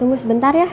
tunggu sebentar ya